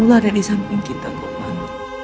allah ada di samping kita tuhan